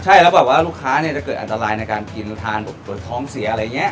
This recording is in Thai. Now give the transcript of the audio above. ใช่แล้วแบบว่าลูกค้าเนี่ยจะเกิดอันตรายในการกินทานแบบปวดท้องเสียอะไรอย่างนี้